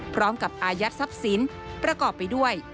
พร้อมกับอายัดทรัพย์สินประกอบไปด้วย